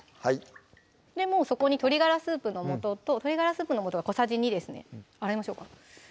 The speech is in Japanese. もうそこに鶏ガラスープの素と鶏ガラスープの素は小さじ２ですね洗いましょうか？